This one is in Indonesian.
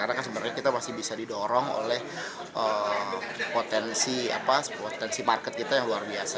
karena sebenarnya kita masih bisa didorong oleh potensi market kita yang luar biasa